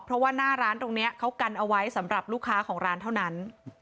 เพราะว่าหน้าร้านตรงนี้เขากันเอาไว้สำหรับลูกค้าของร้านเท่านั้น